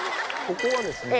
ここはですね